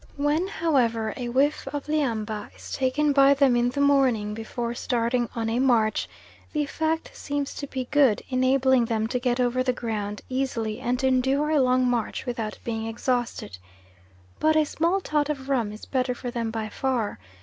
When, however, a whiff of lhiamba is taken by them in the morning before starting on a march, the effect seems to be good, enabling them to get over the ground easily and to endure a long march without being exhausted. But a small tot of rum is better for them by far.